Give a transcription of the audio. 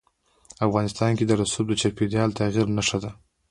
افغانستان کې رسوب د چاپېریال د تغیر نښه ده.